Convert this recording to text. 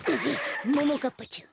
ももかっぱちゃん